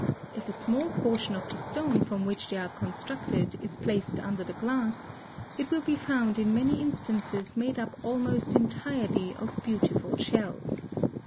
If a small portion of the stone from which they are constructed is placed under the glass, it will be found in many instances made up almost entirely of beautiful shells (Fig.